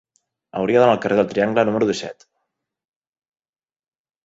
Hauria d'anar al carrer del Triangle número disset.